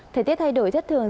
thời tiết thay đổi thất thường